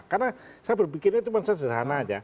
karena saya berpikirnya cuma sederhana aja